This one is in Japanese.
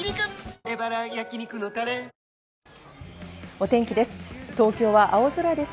お天気です。